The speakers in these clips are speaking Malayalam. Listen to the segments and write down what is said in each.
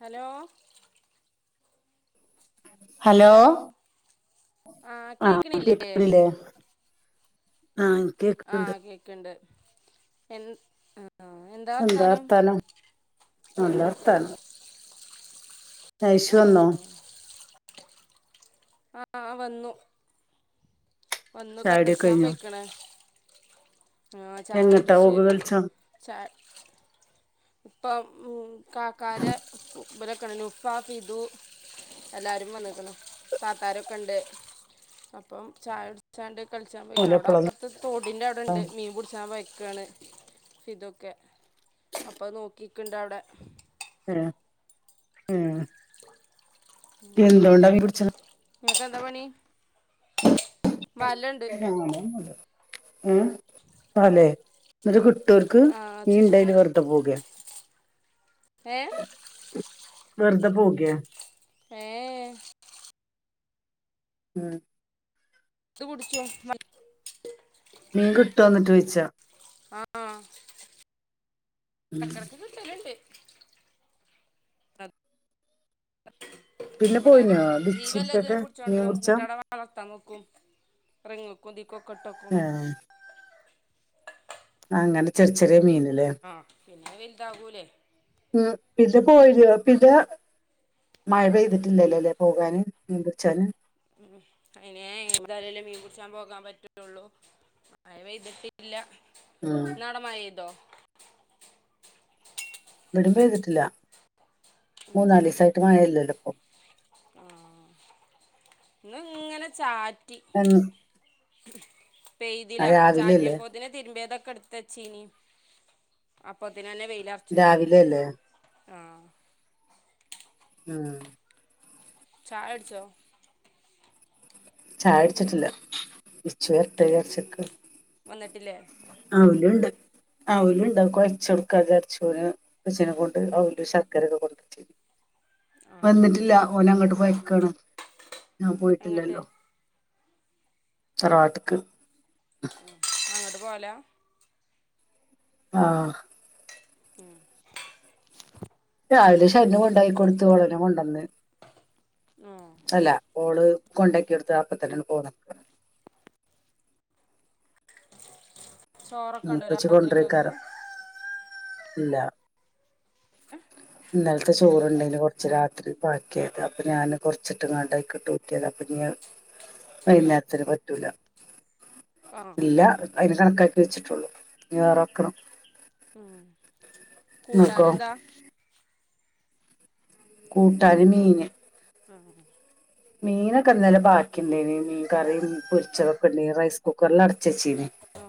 ഹലോ ഹലോ ആഹ് ആ കേക്കിണില്ലേ ആഹ് കേക്കുന്നുണ്ട് എൻ ആഹ് ആഹ് എന്താ വർത്താനം? നല്ല വർത്താനം അയിശു വന്നോ? ആഹ് വന്നു വന്നു ചായടിയൊക്കെ കളിക്കാൻ കഴിഞ്ഞോ പോയിക്ക്ണ് ആഹ് ചായ എങ്ങട്ടാ കുടിച്ച് ഓക്ക് കളിച്ചോ ചായ ഇപ്പം കാക്കാര ഇവരൊക്കെണ്ട് ഉപ്പ ഫിതു എല്ലാരും വന്നിക്ക്ണ് താത്താരൊക്കെ ഇണ്ട്, അപ്പം ചായ കു ച്ചാണ്ട് കളിച്ചാൻ പോയിക്ക്ണ് അവടെ ഓലെപ്പളാ അപ്പർത്ത് തോടിന്റെ അവിടെണ്ട് മീൻ പിടിച്ചാൻ പോയി [unintelligible] ഫിതു ഒക്കെ അപ്പൊ നോക്കിക്ക്ണ്ട് അവടെ ഏഹ് ഉം എന്തുകൊണ്ടാ മീൻ പിടിച്ചേ ഇങ്ങൾക്ക് എന്താ പണി? [unintelligible] വലുണ്ട് അങ്ങനൊന്നുല്ല ഏഹ് വലെ എന്നിട്ട് കി ട്ടോർക്ക്, ആ മീൻ ഇണ്ടായല് വെറുതെ പോകേ? ഏഹ്? വെറുതെ പോകേ ഏയേ ഉം ഇത് പിടിച്ചു വ- ട്ട് വന്നിട്ട് വെയ്ച്ചാ ആഹ് ഉം ചക്കരക്ക് കിട്ടല്ണ്ട് പിന്നെ ഇവിടെ പോയിന്യോ ജീവല്ലേ ബിച്ചിട്ടൊക്കെ മീൻ പുട്ച്ചാൻ ക്കും റിംങ് ക്കും തി കൊക്കട്ടകും ഏ അങ്ങനെ ചെറിയ ചെറിയ മീന് മ് പിന്നെ വലുതാകൂലേ പോയി പിന്നെ മഴ പെയ്തിട്ടില്ലല്ലോ അല്ലേ പോകാന് മീൻ പിടിച്ചാന് മ് അനെ ഇവിടെ ആരേലും മീൻ പിടിച്ചാൻ പോകാൻ പറ്റുള്ളൂ മയ പെയ്തിട്ടില്ല ഉം ഇന്നടെമയിതോ ഇവിടെ പെയ്തിട്ടില്ല മൂന്നാല്സായിട്ട് മഴല്ലല്ലോ മ് ഇന്ന് ഇങ്ങനെ ചാ എന്ന് പെയ്തില ആ രാവിലെയല്ലേ ചാറ്റിയപ്പോതിനെ തിരുമ്പിയതൊ ക്കടുത്തച്ചീനി അപ്പൊത്തേ അങ്ങനെ വെയില അർച്ചം ചെയ്ത് രാവിലെയല്ലേ ആ ആ ചായടിച്ചോ ചായടിച്ചിട്ടില്ല വിച്ചു വർട്ട ചറച്ചക്ക വന്നിട്ടില്ലേ അവലുണ്ട് അവലുണ്ട് കുഴച്ച കൊടുക്കാരച്ചന അച്നെ കൊണ്ട് അവല് ശർക്കരയൊക്കെ കൊണ്ടുവച്ചി ആ വന്നിട്ടില്ല ഓന് അങ്ങോട്ട് പോയിക്കാണ് ഞാൻ എങ്ങോട്ട് പോയിട്ടില്ലല്ലോ തറവാട്ടിക് അങ്ങട് വാലാ ആ മ് രാവിലെ [unintelligible] ഉണ്ടായി കൊടുത്തു ഒടനെ കൊണ്ടന്ന് അല്ല ഓള് കൊണ്ടാക്കി കൊടുത്തു അപ്പൊ തന്നെ ഇങ്ങട്ട് പോന്നു ഉം ചോറൊക്കെുണ്ടോ ഉപ്പച്ചി രാത്രിക്ക് കൊണ്ടരേക്കാരം ഇല്ല ഇന്നലത്തെ ചോറണ്ടെന് കൊറച്ച് രാത്രി ബാക്കിയായത് അപ്പൊ ഞാൻ കൊറച്ചിട്ടുംങ്ങണ്ടായിക്കിട്ട് ഊറ്റി അപ്പൊ വൈകുന്നേരത്തിന് പറ്റൂല ആ ഇല്ല അതിന് കണക്ക് വെച്ചിട്ടുള്ളു ഇനി വേറെ വക്കണം മ് കൂട്ടാന നിങ്ങൾക്കോ എന്താ കൂട്ടാന് മീന് മ് മീനൊക്കെ ഇന്നലെ ബാക്കി ഉണ്ടായിന് മീൻ കറി പൊരിച്ചതൊക്കെ ഇണ്ടയിന് റൈസ് കുക്കറൽ അടച്ചു വച്ചിന്നു ആ,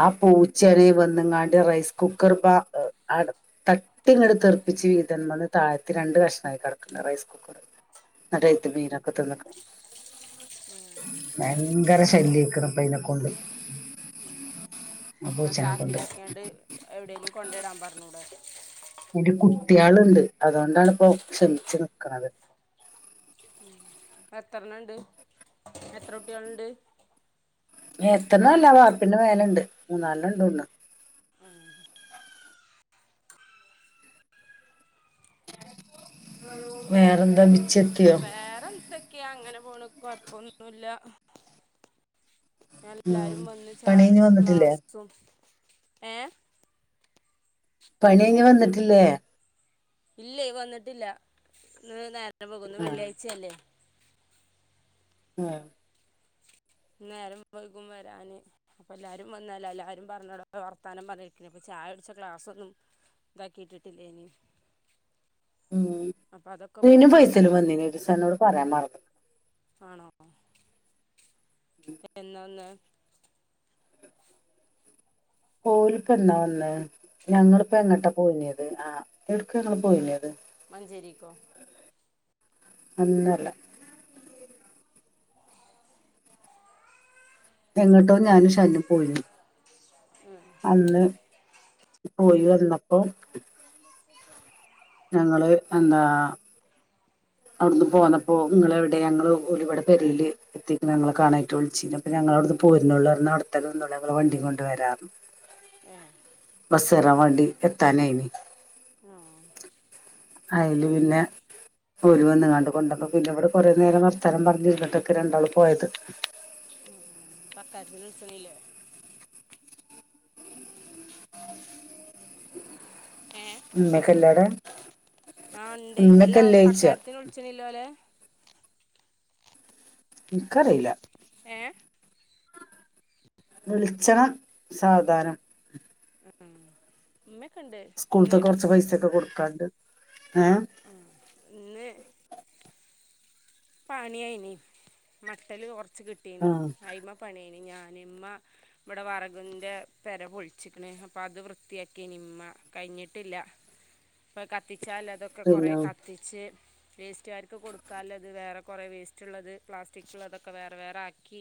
ആ പൂച്ചേനെ വന്ന് ങ്ങാട് റൈസ് കുക്കർ തട്ടി ഇങ്ങട് തെറുപ്പിച്ച് വീതമെന്ന് താഴ്ത്തി രണ്ടു കഷ്മായി കിടക്കണ്ട റൈസ് കുക്കർ ന്നട്ട് മീനൊക്കെ തിന്ന ഭയങ്കര ശല്യംയിക്കണ്ണ് അയിനാകൊണ്ട് ന്നാ ചാക്കിലാക്കിക്കാണ്ട് എവിടെേങ്കിലും കൊണ്ട ഇടാൻ പറഞ്ഞു ടെ അതിനു കുട്ടികളുണ്ട് അതുകൊണ്ടാണ് ഇപ്പോ ക്ഷമിച്ചു നിൽക്കുന്നത് എത്ര എണ്ണം ഉണ്ട് എത്ര കുട്ടികളുണ്ട് എത്ര ന്ന്അല്ല വാർപ്പിന്ടെ മേലെണ്ട് മൂന്നാലഇണ്ട് തോണുന്നു വേറെന്താ മിച്ചെത്തിയോ ക്കെയ അങ്ങനെ പോണ് അപ്പൊ ഒന്നുല്ല ഞാൻ ഉം എല്ലാരും വന്ന് ചായ പണി കഴിഞ്ഞ് കുടിച്ച വന്നിട്ടില്ലേ ക്ലാസ്സും എ... പണിയങ്ങി വന്നിട്ടില്ലേ ഇല്ല വന്നിട്ടില്ല ഇന്ന് നേര നേരം വേഴുകും ഇന്ന് ആ വെള്ളിയാഴ്ചയല്ലേ ആ നേരം മവഴുകും വരാന് അപ്പ എല്ലാവാരും വന്നല്ല എല്ലാരും പറഞ്ഞട വർത്താനം പറഞ്ഞിരിക്ക അപ്പ ചായ അടിച്ച ക്ലാസ്സൊന്നും ഇതാക്കിട്ടിട്ടില്ലേന് ഉ നീനും ഫൈസല് വന്നീ ഒരുസംഅന്നോട് പറയാൻ മറന്നു ആണോ എന്നാവന്ന് ഓല്പ്പന്നാവന്ന് ഞങ്ങിള് പ്പോ എങ്ങട്ടാ പോയിനത് ആ എടുക്ക ഞങ്ങള് പോയിനത് മഞ്ചരിക്കോ അന്നല്ല എങ്ങോട്ടോ ഞാനും ശന്നു പോയിന്നു അന്ന് പോയി വന്നപ്പോ ഞങ്ങള് എന്നാ അവിടെന്ന് പോന്നപ്പോ ഇങ്ങള് എവിടെ ഞങ്ങള്ൾ ഒരു വിടെ പെരലിൽ എത്തിക്ക ഞങ്ങളെ കാണായിട്ട് വിളിച്ചിരുന്നുപ്പ ഞങ്ങൾ അവിടുന്ന് പോരരുന്നുള്ളൂ അവിതന്നെ നിന്നൊളി ഞങ്ങള് വണ്ടി കൊണ്ട് വരാരുന്നു ഏ ബസ്സ് കയറാൻ വേണ്ടി എത്താനായിനി മ്മ് അതില് പിന്നെ ഓര് വന്നങ്ങാണ്ട് കൊണ്ടപ്പോ പിന്നെ ഇവിടെ കൊറെേ നേരം വർത്താനം പറഞ്ഞിരുന്നിട്ടൊക്കെ രണ്ടാള് പോയത് കരുതൽ സണല്ലേ ഉന്നെ കല്ലട [inaudible] ആഹ ഉണ്ടേ അല്ല തക്കാലത്തിന് വിളിച്ചണല്ലോലെ നിക്കറിയില്ല ഏ വിളിച്ചണം സാവധാരം ഉം മ സ്കൂളത്തെ കുറച്ച് പൈസൊക്കെ കൊടുക്കാണ്ട് ഏഹ് ഇന്ന് പണിയായിന മട്ടല് കുറ വ കിട്ടീന് ആ അയിമ പണീനി ഞാൻ ഇമ്മ ഇവിടെ വറകിന്റെ പെര പൊളിച്ചിക്കണ അപ്പൾ അത് വൃത്തിയാക്കിനിമ്മ കഴിഞ്ഞിട്ടില്ല ഇപ്പൊ കത്തിച്ചാൽ അതൊക്കെ കൊറെ പിന്നെ കത്തിച്ച് വെസ്റ്റുകാർക്ക് കൊടുക്കാല്ലോ അത് വേറെ കുറെ വേസ്റ്റ്ള്ളത് പ്ലാസ്റ്റിക്കള്ളതൊക്കെ വേറെ വേറക്കി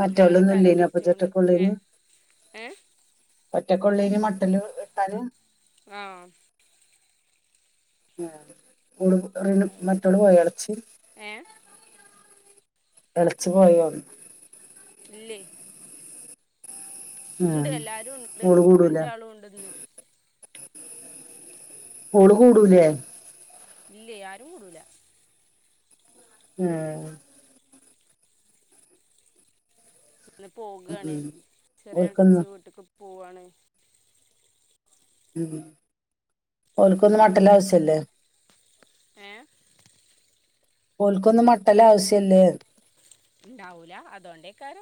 മറ്റൊലോന്നും ഇല്ലേന അപ്പ ഏ ചട്ടക്കനി ഏ ഒറ്റക്കൊള്ളിന് മട്ടല് ഇട്ടാന് ആഹ ആഹ മറ്റൊൾ പോയോ എളച്ചി ഏ എളച്ചി പോയോ ല്ല്യ ഉണ്ട് ആഹ് എല്ലാരും ഉണ്ട് ഓള് കൂടൂലേ അഞ്ചാളുംണ്ട്ന്ന് ഓള് കൂടൂലേ ഇല്ല ആരും കൂടൂല്ലാ ഉം അന്ന് പോവുകയാണ് ഉം ചെറിയളച്ച് ഓൽക്കൊന്ന് വീട്ടിക്ക് പോവാണ് ഉ ഓലിക്കൊന്നും മട്ടല്ല ആവശ്യല്ലേ ഏ ഓൽക്കൊന്ന് മട്ടല്ല ആവശ്യല്ലേ ഉണ്ടാവൂല അതോണ്ടേക്കറ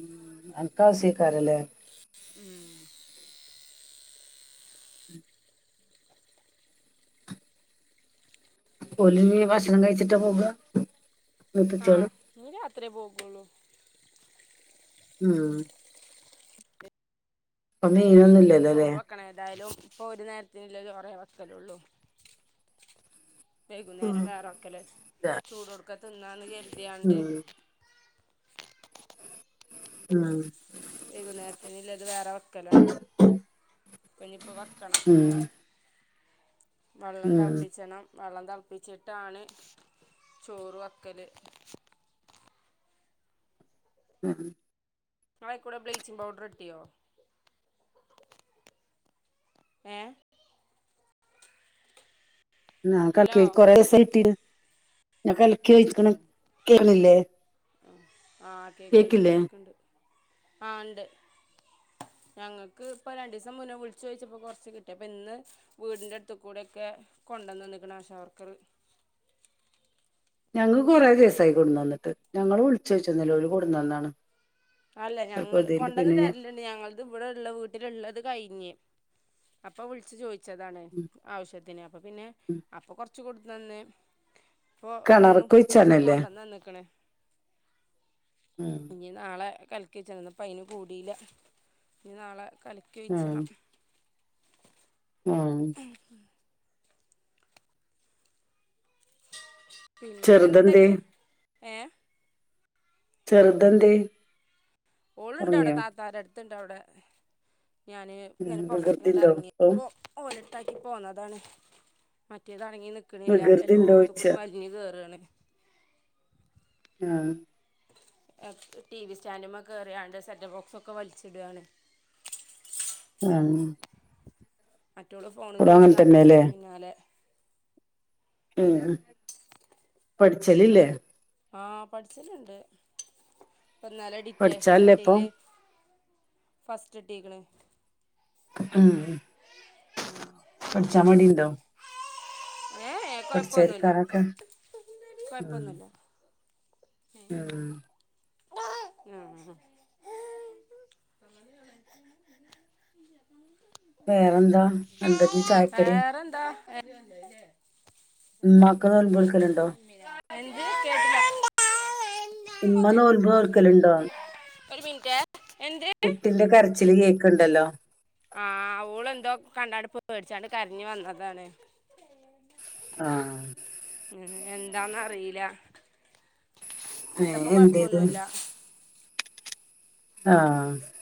ഉ അൻക്കാവ സീക്കാരല്ലേ ഉം പോല നീ ഭക്ഷണം കഴിച്ചിട്ടാ പോക ആഹ്ഞ് രാത്രേ പോക ഉം ഇപ്പം ഇനി മീനൊന്നും ഇല്ലല്ലോല്ലേ ചോറ് വെക്കണം ഏതായാലും ഇപ്പോ ഒരു നേരത്തിനുള്ള ചോറെ വെക്കലുള്ളൂ ഉം വൈകുന്നേരം വേറെ വെക്കല്. ചൂടോട്ക്കെ തിന്നാന്ന് കരുതി യാണ്ട് ഉം ഉം വൈകുന്നേരത്തിന് ഇള്ളത് വേറെ വെക്കലാണ്. ഇനിയിപ്പോ വെക്കണം ഉം വെള്ളം തളപ്പിച്ചണം വെള്ളം തളപ്പിച്ചിട്ടാണ് ചോറ് വക്കല് [unintelligible] ങ്ങളെ അയ്ക്കൂടെ ബ്ലീച്ചിംഗ് പൗഡർ കിട്ടിയോ ഏ ആ ഹലോ കലക്കി കൊറേ ദിവസായി കിട്ടീന് ഞ കലക്കിയൊഴിക്കണം കേക്ണില്ലേ ആഹ് കേക്ക്ണ്ട് കേക്ക്ണ്ട് ആണ്ട് ഞങ്ങൾക്ക് ഇപ്പൊ രണ്ടു ദിവസം മുന്നേ വിളിച്ചു ചോയിച്ചപ്പോ കൊറച്ച് കിട്ടി. അപ്പൊ ഇന്ന് വീടിന്റെ അടുത്ത് കൂടെ ഒക്കെ കൊണ്ടുവന്ന് തന്ന്ക്ക്ണ് ആശ വർക്കറ് ഞങ്ങള്ക്ക് കൊറേ ദിവസായി കൊട്ന്ന് തന്നിട്ട് ഞങ്ങള് വിളിച്ചു ചോയ്ച്ചൊന്നുല്ല ഓല് കൊട്ന്ന് തന്നാണ്. അല്ല ഞങ്ങൾ കൊണ്ടന്ന് തരലുണ്ട് ഞങ്ങളത് ഇവിടെള്ള വീട്ടിലുള്ളത് കഴിഞ്ഞ് അപ്പൊ വിളിച്ചു ചോയ് ച്ചതാണ് ഉം ആവശ്യത്തിന് അപ്പ പിന്നെ ഉം അപ്പ കൊ റച്ച് കൊ ന്നന്നെ ഇപ്പൊ ഇന്നും കൊറച്ച് കെണറ്ക്കൊയ്ച്ചാനല്ലേ കൊണ്ടന്നന്ന് ക്ക്ണ് ഉം ഇനി നാളെ കലക്കിച്ച്ണ് ഇപ്പൊ അയ്‌ന് കൂടീല്ല ഇനി നാളെ കലക്കി ഉം ഒഴിച്ചണം ആ പിന്നെ ചെറ്തെന്തേ എന്തക്കെ ഏ ചെറുതെന്തേ ഓളുണ്ട് ഔടെ താത്താരടുത്ത് ത്ത്ണ്ട് അവിടെ ഞാന് ഉം ഇങ്ങനെ പൊറത്ത്ക്ക് ങ്ങട്ട് വികൃതിണ്ടോ ഇപ്പം ഇറങ്ങിപ്പൊ ഓലെ ട്ടാക്കി പോന്നതാണ് മറ്റേ ത അടങ്ങി നിക്കണില്ല വികൃതിണ്ടോയ്ച്ചാ എല്ലോടത്തുകൂടിം വലിഞ്ഞു കെറുവാണ് ആ എ ടി വി സ്റ്റാന്റമ്മേ കേറിയാണ്ട് സെറ്റ ബോക്സൊക്കെ വലിച്ചിടാണ് ആ മറ്റോള് ഫോണും ചോയിച്ച് നടക്കണുണ്ട് പിന്നാലെ ഉം പഠിച്ചലില്ലേ ആ പഠിച്ചിട്ടുണ്ട് പ്പന്നാല് പഠിച്ചാല്ലേ ഇപ്പൊ ഡിറ്റേഷനിട്ടേല് ഫസ്റ്റ് ട്ടീക്കണ് ഉം പഠിച്ചാ മടിണ്ടോ ഏ കൊഴപ്പൊന്നുമില്ല പഠിച്ചാരിക്കാനൊക്കെ കൊഴപ്പൊന്നുമില്ല ആ ഉം വേറെന്താ എന്താ ഇന്ന് ചായക്കടി ഏഹ് ഉമ്മാക്ക് രണ്ടു മക്കളുണ്ടോ എന്ത് കേട്ടില്ല ഇന്നലെ ഒരു മിനിറ്റ് എന്ത് [inaudible] കരച്ചിൽ കേക്കണ്ടല്ലോ ആ ഓള് എന്തോ കണ്ടാണ്ട് പേടിച്ചാണ്ട് കരഞ്ഞു വന്നതാണ് ആ ഉം എന്താന്നറിയീല ഏ എന്റേത് ആ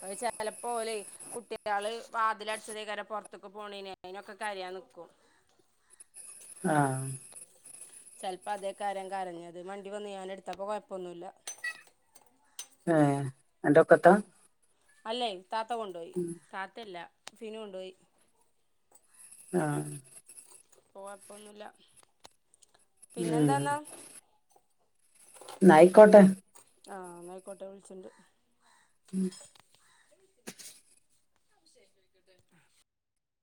അത് ചെ ചിലപ്പോളേ കുട്ടികള് വാതിൽ അടിച്ചതേക്കരെ പൊറത്തൊക്കെ പോണനേ അതിനൊക്കെ കരയാൻ നിക്കും. ആ ചെലപ്പോ അതേ കാര്യം കരഞ്ഞത് വണ്ടി വന്നു ഞാൻ എടുത്തപ്പോ കൊഴപ്പൊന്നുമില്ല ആ അന്റൊക്കത്താ അല്ലെ? താത്ത കൊണ്ടുപോയി താത്തയല്ല ഫിനു കൊണ്ടുപോയി ആ പ്പോ കൊഴപ്പൊന്നുമില്ല ആ ന്നയിക്കോട്ടെ ആ ന്നയിക്കോട്ടെ വിളിച്ചണ്ട് ഉം [inaudible]